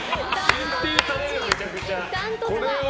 限定される、めちゃくちゃ。